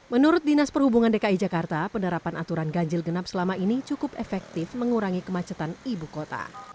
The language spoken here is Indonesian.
menurut dinas perhubungan dki jakarta penerapan aturan ganjil genap selama ini cukup efektif mengurangi kemacetan ibu kota